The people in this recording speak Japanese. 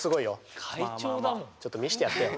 ちょっと見してやってよ！